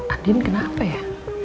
adin kenapa ya